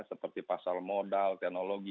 seperti pasal modal teknologi